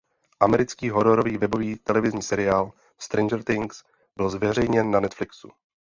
Americký hororový webový televizní seriál "Stranger Things" byl zveřejněn na Netflixu.